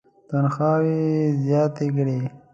تنخواوې یې زیاتې کړې.